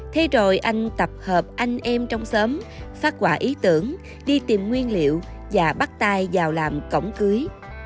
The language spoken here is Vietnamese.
thế rồi anh tập hợp anh em trong xóm phát quả ý tưởng đi tìm nguyên liệu và bắt tay vào làm cổng cưới